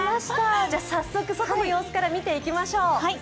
早速、外の様子から見ていきましょう。